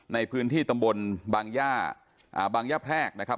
ในพื้นที่ตำบลบางย่าบางย่าแพรกนะครับ